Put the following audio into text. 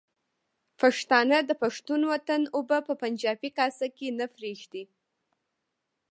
پښتانه د پښتون وطن اوبه په پنجابي کاسه کې نه پرېږدي.